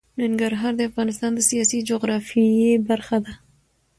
ننګرهار د افغانستان د سیاسي جغرافیه برخه ده.